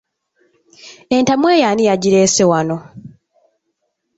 Entamu eyo ani yagireese wano?